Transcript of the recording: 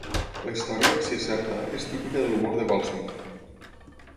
La història, si és certa, és típica de l'humor de Goldsmith.